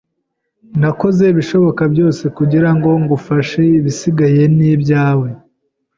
Nakoze ibishoboka byose kugirango ngufashe. Ibisigaye ni ibyawe